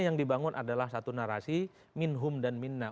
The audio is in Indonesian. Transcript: yang dibangun adalah satu narasi minhum dan mirna